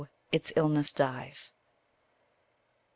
its illness dies! 6.